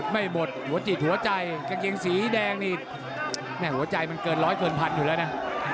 กางเกงแสงสีแดงนี่แม่งหัวใจมันเกินร้อยเกินพันอยู่แลนะ